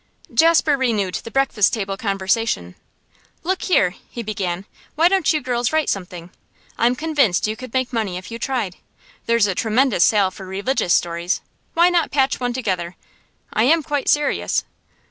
Jasper renewed the breakfast table conversation. 'Look here,' he began, 'why don't you girls write something? I'm convinced you could make money if you tried. There's a tremendous sale for religious stories; why not patch one together? I am quite serious.